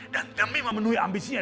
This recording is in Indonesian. dan demi memenuhi ambisinya